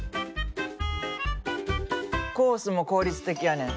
コースも効率的やねん。